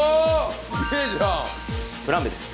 すげえじゃんフランベです